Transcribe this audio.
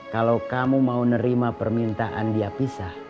kalau kamu mau nerima permintaan dia pisah